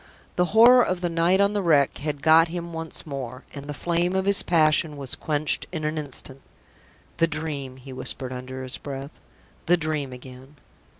The horror of the night on the Wreck had got him once more, and the flame of his passion was quenched in an instant. "The Dream!" he whispered, under his breath. "The Dream again!"